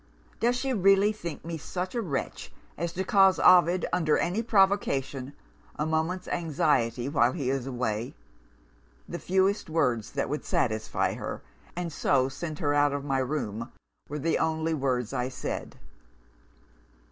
Does she really think me such a wretch as to cause Ovid, under any provocation, a moment's anxiety while he is away? The fewest words that would satisfy her, and so send her out of my room, were the only words I said.